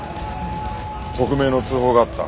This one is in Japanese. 匿名の通報があった。